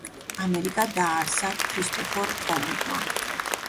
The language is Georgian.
ამერიკა დაარსა ქრისტოფორ კოლუმბმა.